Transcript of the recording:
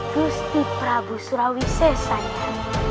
gusti prabu surawi sesanya